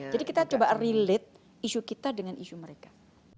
jadi kita coba relate isu kita dengan isu mereka